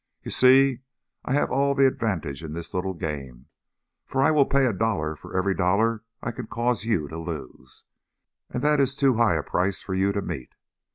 You see, I have all the advantage in this little game, for I will pay a dollar for every dollar I can cause you to lose, and that is too high a price for you to meet.